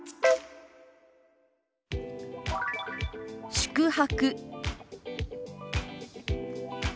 「宿泊」。